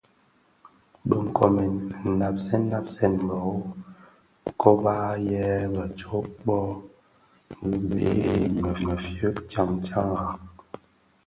Bë nkoomèn nnabsèn nabsèn bero kōba yè bë tsōō bōō bi bhee i mefye tsaň tsaňraň.